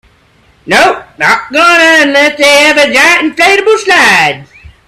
Nope, not going unless they have a giant inflatable slide.